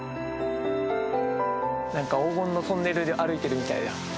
何か黄金のトンネル歩いてるみたいだ。